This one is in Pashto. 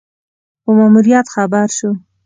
په ماموریت خبر شو.